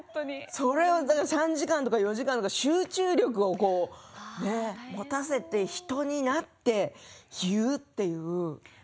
３時間とか４時間とか集中力を持たせて人になって言うという。